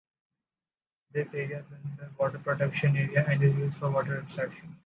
This area is a water protection area and is used for water extraction.